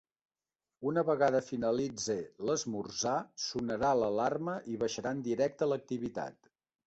Una vegada finalitze l’esmorzar, sonarà l’alarma i baixaran directe a l’activitat.